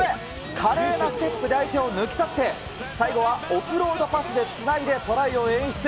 華麗なステップで相手を抜き去って、最後はオフロードパスでつないでトライを演出。